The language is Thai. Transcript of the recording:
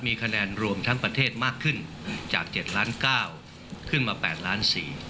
มีคะแนนรวมทั้งประเทศมากขึ้นจาก๗ล้าน๙ขึ้นมา๘ล้าน๔